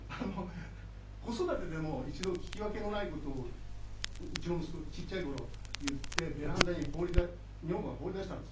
子育てでも一度聞き分けのない事をうちの息子ちっちゃい頃言ってベランダに女房が放り出したんですよ。